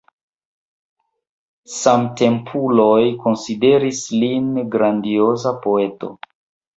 Samtempuloj konsideris lin grandioza poeto.